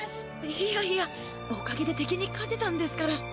いやいやおかげで敵に勝てたんですから。